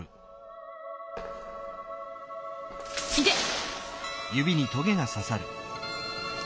いてっ！